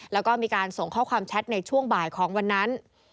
แล้วก็มีการส่งข้อความแชทในช่วงบ่ายของวันนั้น